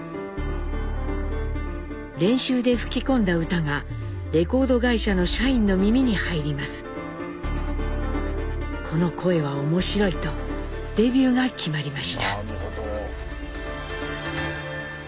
練習で吹き込んだ歌がレコード会社の社員の耳に入ります。とデビューが決まりました。